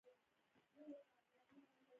کاتب پاڅون چې هغه وخت یې رنځور تخلص کاوه.